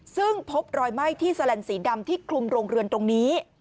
ซึ่งพบรอยไหม้ที่แลนสีดำที่คลุมโรงเรือนตรงนี้